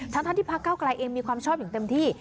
ทั้งที่พักเก้าไกลเองมีความชอบอย่างเต็มที่